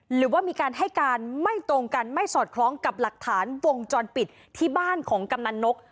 หรือว่ามีการให้การไม่ตรงกันไม่สอดคล้องกับหลักฐานวงจรปิดที่บ้านของกำนันนก